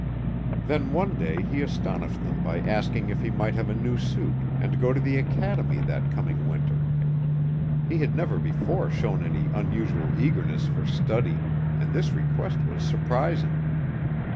Then one day he astonished them by asking if he might have a new suit and go to the academy that coming winter. He had never before shown any unusual eagerness for study, and this request was surprising.